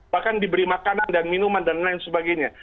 bahkan diberi makanan dan minuman dan lain sebagainya